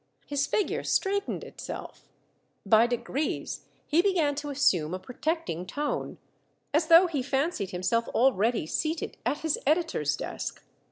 His figure straightened itself By degrees, he began to as sume a protecting tone, as though he fancied him self already seated at his editor's desk.